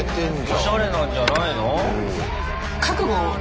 おしゃれなんじゃないの？